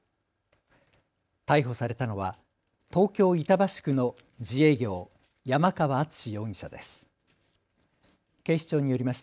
逮捕されたのは東京板橋区の自営業、山川淳容疑者です。